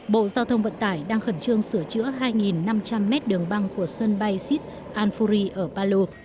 bộ giao thông vận tải đang khẩn trương sửa chữa hai năm trăm linh mét đường băng của sân bay sit anfuri ở palu